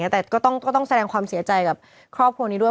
แต่ก็ต้องแสดงความเสียใจกับครอบครัวนี้ด้วย